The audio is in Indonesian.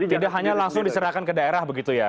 tidak hanya langsung diserahkan ke daerah begitu ya